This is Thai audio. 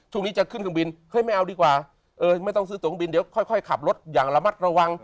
ช่วงนี้จะขึ้นเครื่องบินเฮ้ยไม่เอาดีกว่าเออไม่ต้องซื้อตัวเครื่องบินเดี๋ยวค่อยขับรถอย่างระมัดระวัง